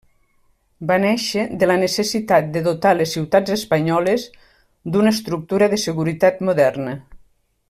Va néixer de la necessitat de dotar les ciutats espanyoles d'una estructura de seguretat moderna.